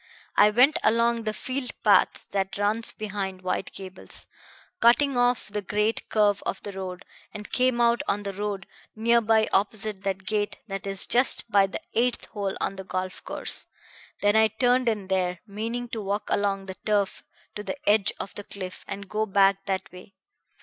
I went along the field path that runs behind White Gables, cutting off the great curve of the road, and came out on the road nearly opposite that gate that is just by the eighth hole on the golf course. Then I turned in there, meaning to walk along the turf to the edge of the cliff, and go back that way.